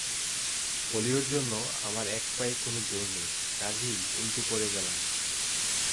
পোলিওর জন্যে আমার এক পায়ে কোনো জোর নেই, কাজেই উল্টে পড়ে গেলাম।